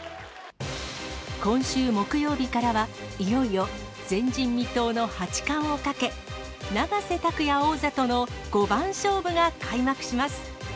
今週木曜日からは、いよいよ前人未到の八冠をかけ、永瀬拓矢王座との五番勝負が開幕します。